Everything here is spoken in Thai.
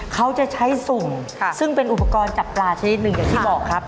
เขาจะใช้สุ่มซึ่งเป็นอุปกรณ์จับปลาชนิดหนึ่งอย่างที่บอกครับ